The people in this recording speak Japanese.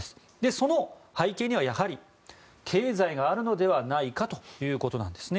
その背景にはやはり経済があるのではないかということなんですね。